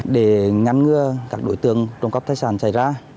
để ngăn ngừa các đối tượng trộm cắp tài sản xảy ra